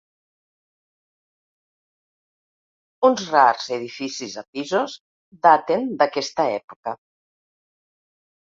Uns rars edificis a pisos daten d'aquesta època.